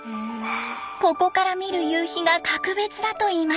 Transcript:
ここから見る夕日が格別だといいます。